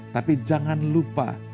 tapi jangan lupa